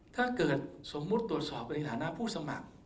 ถ้าเกิดสมมุติตรวจสอบในฐานะผู้สมัคร